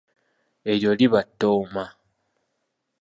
Eryo liba ttooma.